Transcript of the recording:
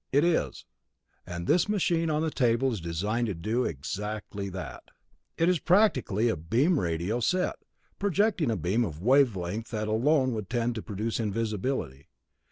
It is; and this machine on the table is designed to do exactly that. It is practically a beam radio set, projecting a beam of a wavelength that alone would tend to produce invisibility.